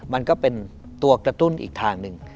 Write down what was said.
มันก็เป็นตัวกระตุ้นอีกทางหนึ่ง